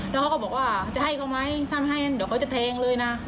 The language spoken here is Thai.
แล้วเขาก็บอกว่าจะให้เขาไหมท่านให้เดี๋ยวเขาจะแทงเลยนะ